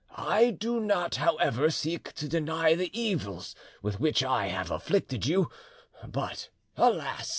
I do not, however, seek to deny the evils with which I have afflicted you; but, alas!